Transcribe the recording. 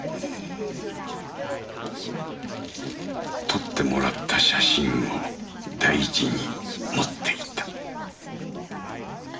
撮ってもらった写真を大事に持っていた。